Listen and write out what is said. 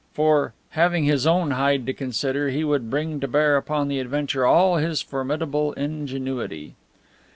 For, having his own hide to consider, he would bring to bear upon the adventure all his formidable ingenuity.